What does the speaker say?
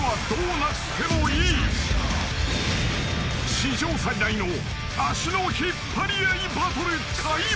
［史上最大の足の引っ張り合いバトル開幕］